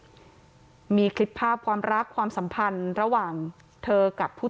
ด้วยมีคลิปภาพความรักความสัมพันธ์ระหว่างเธอกับผู้